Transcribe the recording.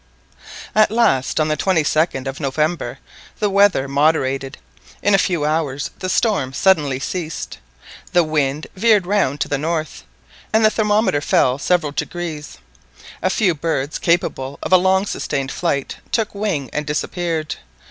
At last, on the 22d of November, the weather moderated. In a few hours the storm suddenly ceased. The wind veered round to the north, and the thermometer fell several degrees. A few birds capable of a long sustained flight took wing and disappeared.